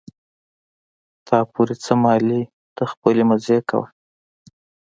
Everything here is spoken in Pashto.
تا پورې څه مالې ته خپلې مزې کوه.